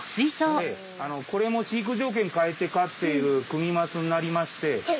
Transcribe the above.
ええこれも飼育条件変えて飼っているクニマスになりまして。